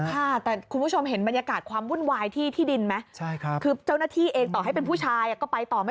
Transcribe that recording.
ค่ะแต่คุณผู้ชมเห็นบรรยากาศความวุ่นวายที่ดินไหม